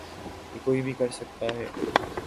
یہ کوئی بھی کر سکتا ہے۔